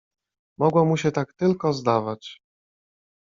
"Mogło mu się tak tylko zdawać."